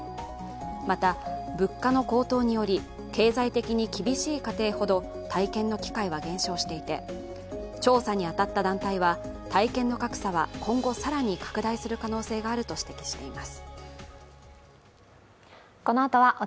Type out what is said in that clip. また、物価の高騰により経済的に厳しい家庭ほど体験の機会は減少していて調査に当たった段階は体験の格差は今後更に拡大する可能性があると指摘しています。